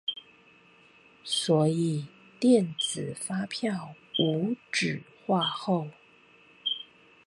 所以電子發票無紙化後